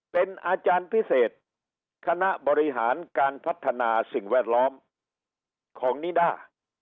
เป็นอาจารย์พิเศษคณะบริหารการพัฒนาสิ่งแวดล้อมของนิด้า